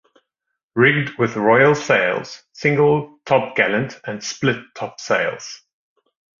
Rigged with royal sails, single topgallant and split top-sails.